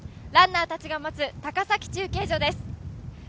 ランナーたちが待つ高崎中継所です。